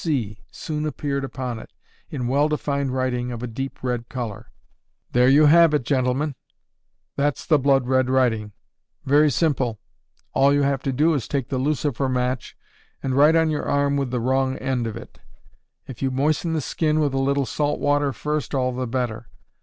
C." soon appeared upon it in well defined writing of a deep red color. "There you have it, gentlemen; that's the blood red writing. Very simple. All you have to do is take a lucifer match, and write on your arm with the wrong end of it. If you moisten the skin with a little salt water first, all the better.